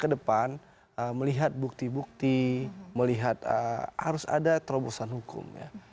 kedepan melihat bukti bukti melihat harus ada terobosan hukum ya